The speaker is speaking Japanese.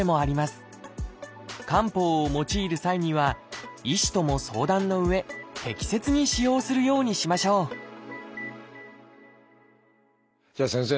漢方を用いる際には医師とも相談のうえ適切に使用するようにしましょうじゃあ先生